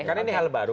karena ini hal baru